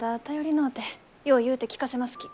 よう言うて聞かせますき。